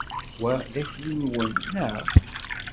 Wa d akli-nwen, naɣ?